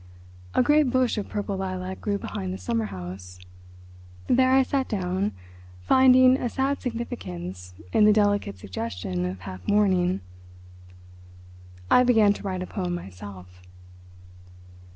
A great bush of purple lilac grew behind the summer house. There I sat down, finding a sad significance in the delicate suggestion of half mourning. I began to write a poem myself.